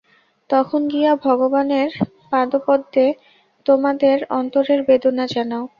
তখন গিয়া ভগবানের পাদপদ্মে তোমাদের অন্তরের বেদনা জানাও।